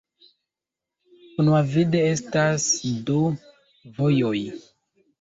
Unuavide estas du vojoj.